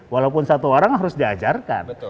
walaupun satu orang harus diajarkan